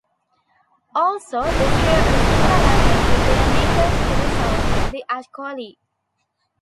Also, they share a similar language with their neighbors to the south, the Acholi.